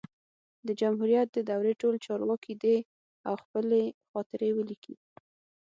د جمهوریت د دورې ټول چارواکي دي او خپلي خاطرې ولیکي